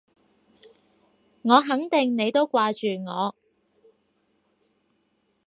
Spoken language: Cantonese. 我肯定你都掛住我